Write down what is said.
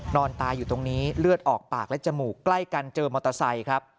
นอนตายอยู่ตรงนี้เลือดออกปากและจมูกใกล้กันเจอมอเตอร์ไซค์ครับ